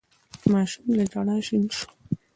ماشوم له ژړا شين شو.